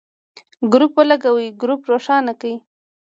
ګروپ ولګوئ ، ګروپ روښانه کړئ.